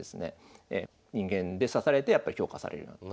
人間で指されてやっぱり評価されるようになった。